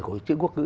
của chữ quốc ngữ